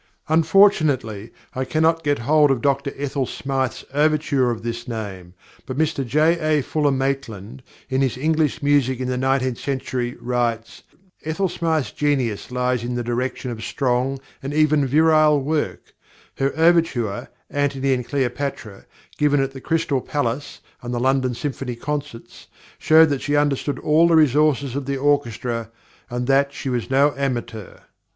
Unfortunately, I cannot get hold of +Dr Ethel Smyth's+ overture of this name, but Mr J. A. Fuller Maitland, in his English Music in the Nineteenth Century, writes: "Ethel Smyth's genius lies in the direction of strong and even virile work; her overture 'Antony and Cleopatra,' given at the Crystal Palace and the London Symphony concerts, showed that she understood all the resources of the orchestra, and that she was no amateur."